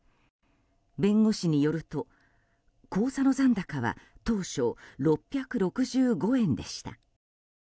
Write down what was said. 弁護士によると口座の残高は当初、６６５円でした。